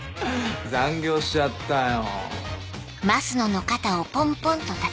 残業しちゃったよ。